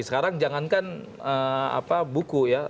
sekarang jangankan buku ya